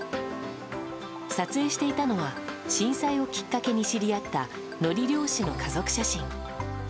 撮影していたのは震災をきっかけに知り合ったのり漁師の家族写真。